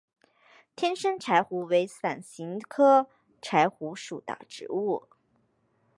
天山柴胡为伞形科柴胡属的植物。